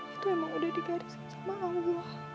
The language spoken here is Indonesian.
itu emang udah digaji sama allah